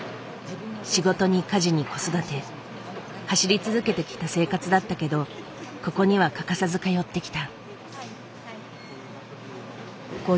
仕事に家事に子育て走り続けてきた生活だったけどここには欠かさず通ってきた。